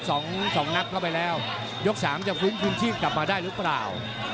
สองสองนัดเข้าไปแล้วยกสามจะคุ้มคูณชีพกลับมาได้หรือเปล่า